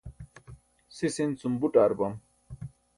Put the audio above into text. sis in cum buṭ ar bam